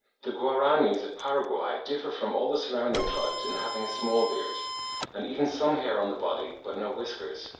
The Guaranys of Paraguay differ from all the surrounding tribes in having a small beard, and even some hair on the body, but no whiskers.